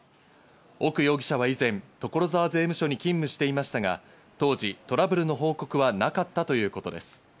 奥容疑者は以前、所沢税務署に勤務していましたが、当時、トラブルの報告はなかったということです。